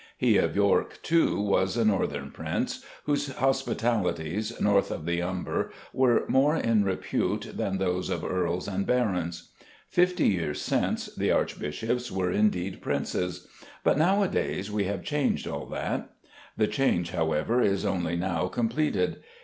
He of York, too, was a Northern prince, whose hospitalities north of the Humber were more in repute than those of earls and barons. Fifty years since the archbishops were indeed princes; but now a days we have changed all that. The change, however, is only now completed.